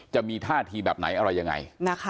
จะมีท่าทีแบบไหนอะไรยังไง